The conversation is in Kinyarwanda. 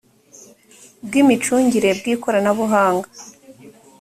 bw imicungire bw ikoranabuhanga